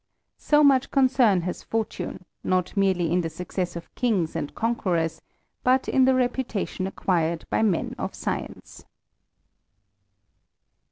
So much concern has fortune, not merely in the success of kings and conquerors, but in the reputation acquired by men of science.